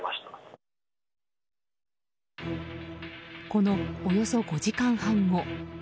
このおよそ５時間半後。